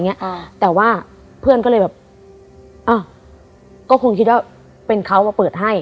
อ่าแต่ว่าเพื่อนก็เลยแบบอ้าวก็คงคิดว่าเป็นเขามาเปิดให้